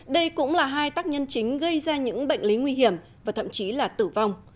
đây cũng là hai tác nhân chính gây ra những bệnh lý nguy hiểm và thậm chí là tử vong